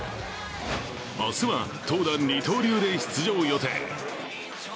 明日は投打二刀流で出場予定。